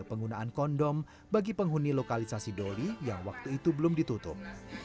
penggunaan kondom bagi penghuni lokalisasi doli yang waktu itu belum ditutup